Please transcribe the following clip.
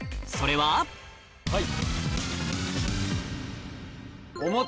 はい。